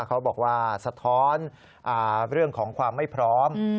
เขาบอกว่าสะท้อนเรื่องของความไม่พร้อม